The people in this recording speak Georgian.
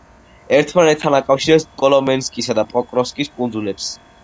ერთმანეთთან აკავშირებს კოლომენსკისა და პოკროვსკის კუნძულებს.